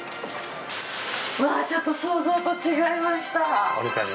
ちょっと想像と違いました。